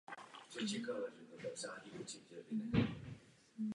Podlouhlé listy jsou šedavě zelené až modrozelené a na bázi často tmavě fialové.